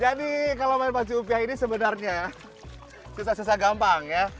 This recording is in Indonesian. jadi kalau main pacu upiah ini sebenarnya susah susah gampang ya